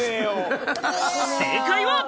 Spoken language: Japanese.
正解は。